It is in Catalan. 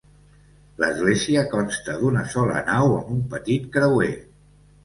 L'església consta d'una sola nau amb un petit creuer.